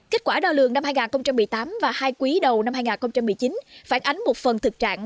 kết quả đo lường năm hai nghìn một mươi tám và hai quý đầu năm hai nghìn một mươi chín phản ánh một phần thực trạng